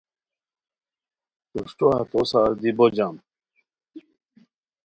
پروشٹو ہتو سار دی بو جم